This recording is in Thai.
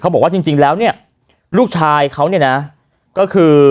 เขาบอกว่าจริงแล้วลูกชายเขาก็คือ